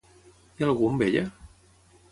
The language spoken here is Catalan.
Hi ha algú amb ella?